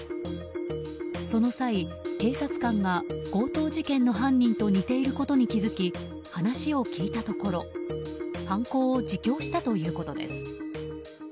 その際、警察官が強盗事件の犯人と似ていることに気づき話を聞いたところ犯行を自供したということです。